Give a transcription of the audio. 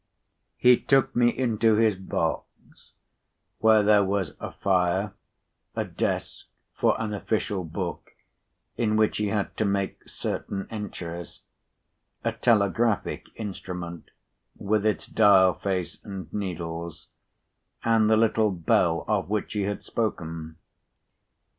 He took me into his box, where there was a fire, a desk for an official book in which he had to make certain entries, a telegraphic instrument with its dial face and needles, and the little bell of which he had spoken.